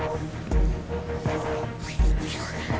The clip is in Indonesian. terima kasih atas dukunganmu